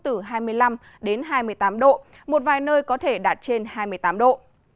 từ hai mươi năm đến hai mươi tám độ một vài nơi có thể đạt trên hai mươi tám độ